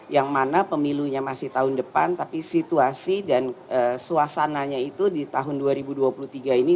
yang mana pemilunya masih tahun depan tapi situasi dan suasananya itu di tahun dua ribu dua puluh tiga ini